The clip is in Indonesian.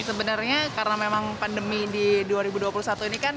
sebenarnya karena memang pandemi di dua ribu dua puluh satu ini kan